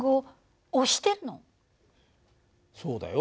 そうだよ。